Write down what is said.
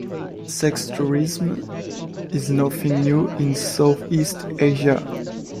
Sex tourism is nothing new in Southeast Asia.